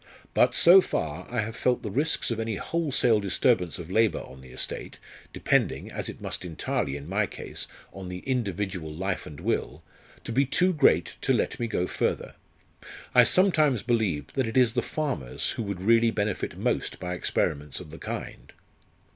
But so far, I have felt the risks of any wholesale disturbance of labour on the estate, depending, as it must entirely in my case, on the individual life and will, to be too great to let me go further. I sometimes believe that it is the farmers who would really benefit most by experiments of the kind!"